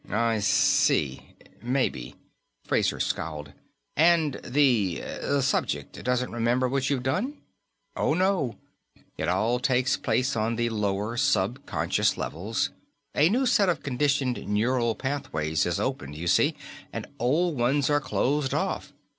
"Mmmm I see. Maybe." Fraser scowled. "And the subject doesn't remember what you've done?" "Oh, no. It all takes place on the lower subconscious levels. A new set of conditioned neural pathways is opened, you see, and old ones are closed off.